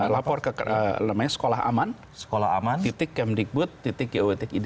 lapor ke namanya sekolahaman kemdigbud go id